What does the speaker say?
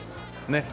ねっ。